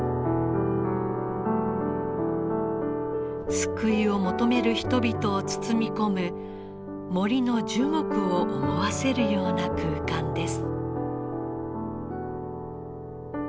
救いを求める人々を包み込む森の樹木を思わせるような空間です。